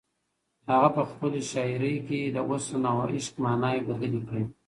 هغه په خپله شاعري کې د حسن او عشق ماناوې بدلې کړې دي.